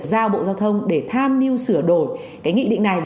giao bộ giao thông để tham mưu sửa đổi cái nghị định này